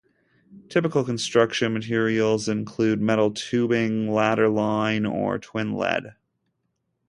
Typical construction materials include metal tubing, ladder line, or twin-lead.